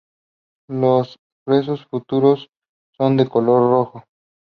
Los gruesos frutos son de color rojo.